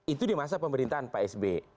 itu di masa pemerintahan pak sb